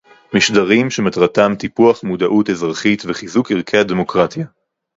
משדרים שמטרתם טיפוח מודעות אזרחית וחיזוק ערכי הדמוקרטיה